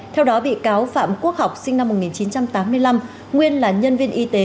theo đó bị cáo phạm quốc học sinh năm một nghìn chín trăm tám mươi năm nguyên là nhân viên y tế